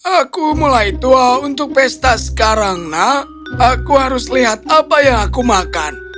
aku mulai tua untuk pesta sekarang nak aku harus lihat apa yang aku makan